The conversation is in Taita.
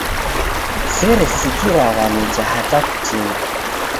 Seresikiragha nicha hata kutini.